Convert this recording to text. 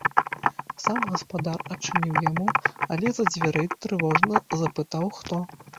Сам гаспадар адчыніў яму, але з-за дзвярэй трывожна запытаў хто.